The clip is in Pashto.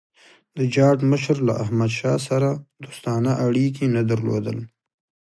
د جاټ مشر له احمدشاه سره دوستانه اړیکي نه درلودل.